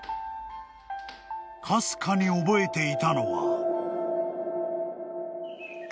［かすかに覚えていたのは］